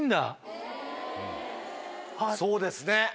そうですね！